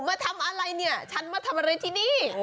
น้องเอาหนูมาทำอะไรเนี่ยฉันมาทำอะไรที่นี่